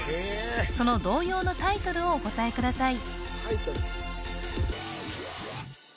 その童謡のタイトルをお答えください